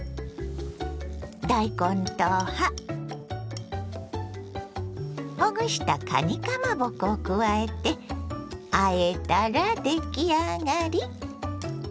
大根と葉ほぐしたかにかまぼこを加えてあえたら出来上がり。